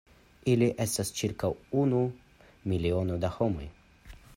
Ili estas ĉirkaŭ unu miliono da homoj.